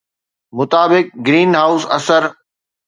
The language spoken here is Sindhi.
مطابق، گرين هاؤس اثر